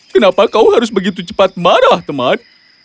kenapa kau harus begitu cepat marah teman